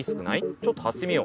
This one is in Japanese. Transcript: ちょっと貼ってみよう。